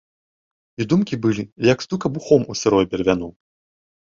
І думкі былі, як стук абухом у сырое бервяно.